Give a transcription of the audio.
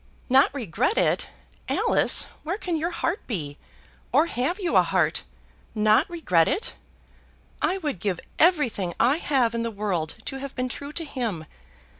"Not regret it! Alice, where can your heart be? Or have you a heart? Not regret it! I would give everything I have in the world to have been true to him.